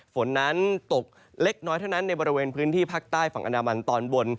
ฝนนั้นตกเล็กน้อยเท่านั้นในบริเวณพื้นที่ภาคใต้ฝั่งอนามันตอนบน